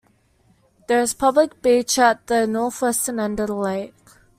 There is a public beach at the northwestern end of the Lake.